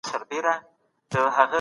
حکومت اوس مهال زکات راټولوي.